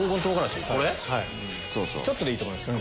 ちょっとでいいと思いますよ。